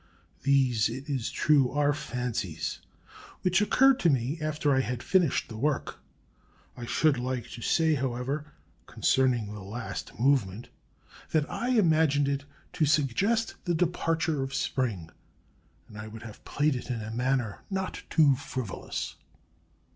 These, it is true, are fancies which occurred to me after I had finished the work. I should like to say, however, concerning the last movement, that I imagined it to suggest the departure of spring, and I would have it played in a manner not too frivolous."